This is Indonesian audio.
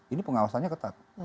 ini pengawasannya ketat